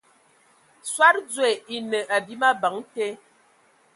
Soad dzoe e enə abim abəŋ te.